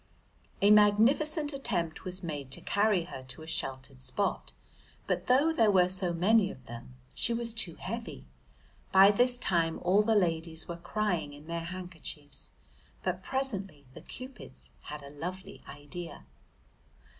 A magnificent attempt was made to carry her to a sheltered spot, but though there were so many of them she was too heavy. By this time all the ladies were crying in their handkerchiefs, but presently the Cupids had a lovely idea.